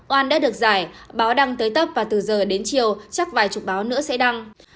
oan đã được giải báo đăng tới tấp và từ giờ đến chiều chắc vài chục báo nữa sẽ đăng